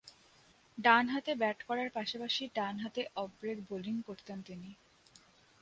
ডানহাতে ব্যাট করার পাশাপাশি ডানহাতে অফ ব্রেক বোলিং করতেন তিনি।